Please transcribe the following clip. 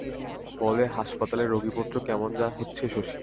বলে, হাসপাতালে রোগীপত্র কেমন হচ্ছে শশী?